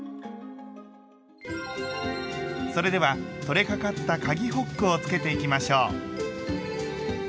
それでは取れかかったかぎホックをつけていきましょう。